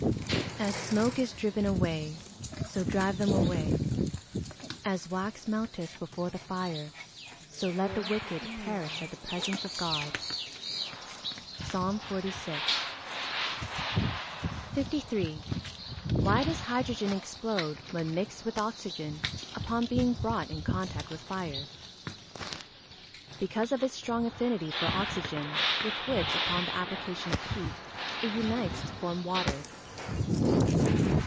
[Verse: "As smoke is driven away, so drive them away: as wax melteth before the fire, so let the wicked perish at the presence of God." PSALM XLVI.] 53. Why does hydrogen explode, when mixed with oxygen, upon being brought in contact with fire? Because of its strong affinity for oxygen, with which, upon the application of heat, it unites to form water.